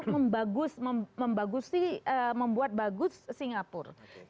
membagusi membuat bagus singapura